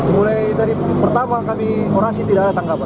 mulai tadi pertama kami orasi tidak ada tangkapan